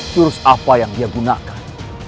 virus apa yang dia gunakan